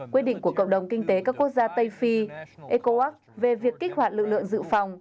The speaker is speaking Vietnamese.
quyết định của cộng đồng kinh tế các quốc gia tây phi ecowas về việc kích hoạt lực lượng dự phòng